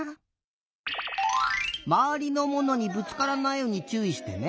まわりのものにぶつからないようにちゅういしてね！